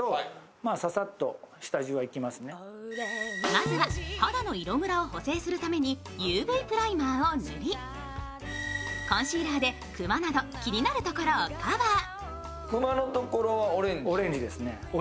まずは肌の色むらを補正するためにＵＶプライマーを塗りコンシーラーでクマなど気になるところをカバー。